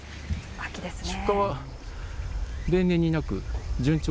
秋ですね。